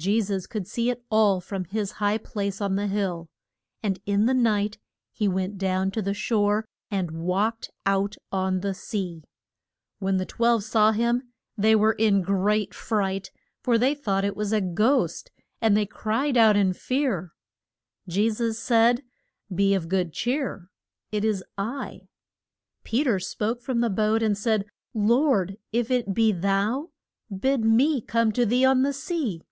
Je sus could see it all from his high place on the hill, and in the night he went down to the shore and walked out on the sea. When the twelve saw him they were in a great fright, for they thought it was a ghost, and they cried out in their fear. Je sus said, Be of good cheer. It is I. [Illustration: FEED ING THE MUL TI TUDE.] Pe ter spoke from the boat, and said, Lord, if it be thou, bid me come to thee on the sea.